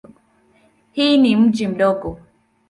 Hii ni mji mdogo.